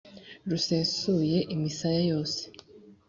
rusesuye imisaya yose.